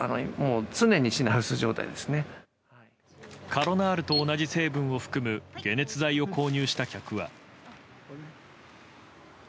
カロナールと同じ成分を含む解熱剤を購入した客は。